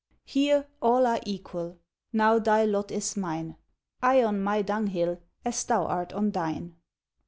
Here all are equal! now thy lot is mine! I on my dunghill, as thou art on thine.